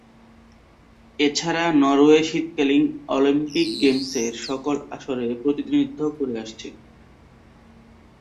এছাড়া নরওয়ে শীতকালীন অলিম্পিক গেমসের সকল আসরে প্রতিনিধিত্ব করে আসছে।